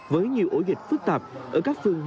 vì anh này yêu cầu